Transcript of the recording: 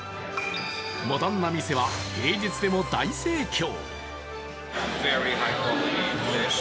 モダンな店は平日でも大盛況。